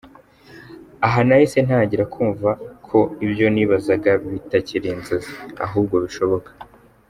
Aha nahise ntangira kumva ko ibyo nibazaga bitakiri inzozi ahubwo bishoboka.